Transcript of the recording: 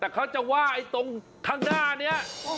แต่เขาจะไหว้ตรงข้างหน้านี้